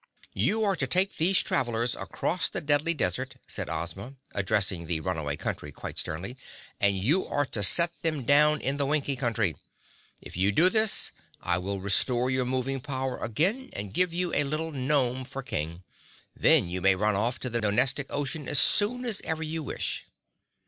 "You are to take these travelers across the Deadly Desert," said Ozma, addressing the Runaway Country quite sternly, "and you are to set them down in the Winkie Country. If you do this I will restore your moving power again and give you a little gnome for King. Then you may run off to the Nonestic Ocean as soon as ever you wish."